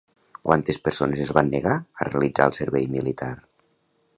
Quantes persones es van negar a realitzar el servei militar?